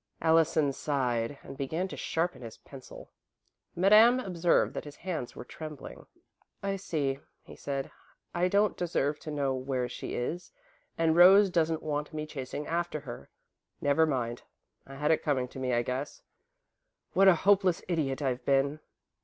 Allison sighed and began to sharpen his pencil. Madame observed that his hands were trembling. "I see," he said. "I don't deserve to know where she is, and Rose doesn't want me chasing after her. Never mind I had it coming to me, I guess. What a hopeless idiot I've been!"